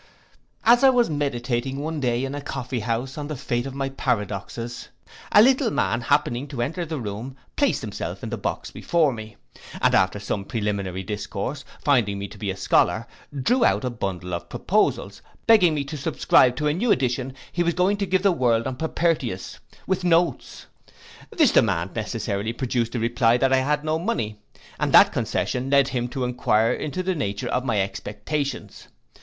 'As I was meditating one day in a coffee house on the fate of my paradoxes, a little man happening to enter the room, placed himself in the box before me, and after some preliminary discourse, finding me to be a scholar, drew out a bundle of proposals, begging me to subscribe to a new edition he was going to give the world of Propertius, with notes. This demand necessarily produced a reply that I had no money; and that concession led him to enquire into the nature of my expectations.